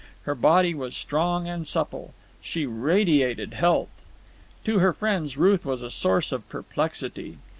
Her body was strong and supple. She radiated health. To her friends Ruth was a source of perplexity.